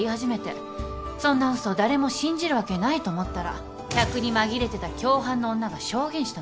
そんな嘘誰も信じるわけないと思ったら客に紛れてた共犯の女が証言したのよ。